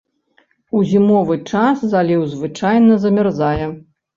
У зімовы час заліў звычайна замярзае.